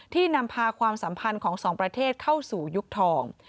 นำพาความสัมพันธ์ของสองประเทศเข้าสู่ยุคทอง